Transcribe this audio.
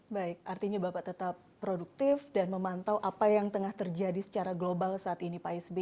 baik artinya bapak tetap produktif dan memantau apa yang tengah terjadi secara global saat ini pak isb